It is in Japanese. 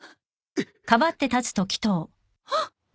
あっ！